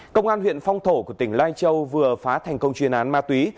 công an huyện phong thổ của tỉnh lai châu vừa phá thành công chuyên án ma túy